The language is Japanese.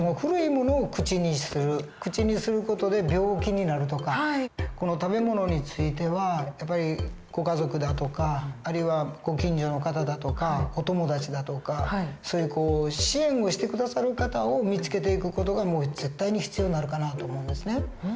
口にする事で病気になるとか食べ物についてはやっぱりご家族だとかあるいはご近所の方だとかお友達だとかそういう支援をして下さる方を見つけていく事が絶対に必要になるかなと思うんですね。